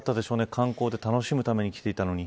観光で楽しむために来ていたのに。